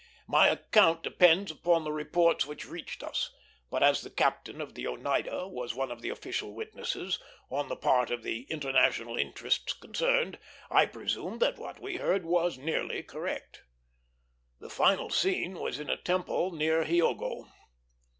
My account depends upon the reports which reached us; but as the captain of the Oneida was one of the official witnesses, on the part of the international interests concerned, I presume that what we heard was nearly correct. The final scene was in a temple near Hiogo.